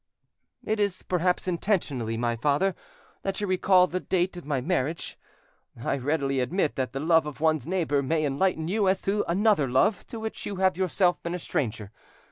"Is it perhaps intentionally, my father, that you recall the date of my marriage? I readily admit that the love of one's neighbour may enlighten you as to another love to which you have yourself been a stranger.